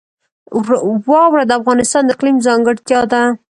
واوره د افغانستان د اقلیم ځانګړتیا ده.